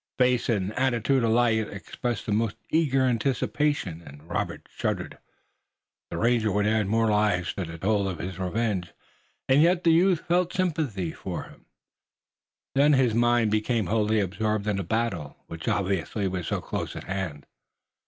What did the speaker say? Face and attitude alike expressed the most eager anticipation, and Robert shuddered. The ranger would add more lives to the toll of his revenge, and yet the youth felt sympathy for him, too. Then his mind became wholly absorbed in the battle, which obviously was so close at hand.